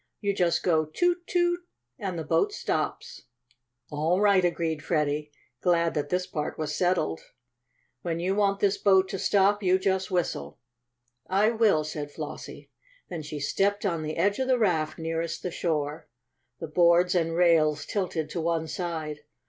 You just go 'Toot! Toot!' and the boat stops." "All right," agreed Freddie, glad that this part was settled. "When you want this boat to stop, you just whistle." "I will," said Flossie. Then she stepped on the edge of the raft nearest the shore. The boards and rails tilted to one side.